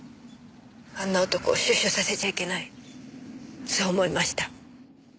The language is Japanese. あんな男出所させちゃいけないそう思いました。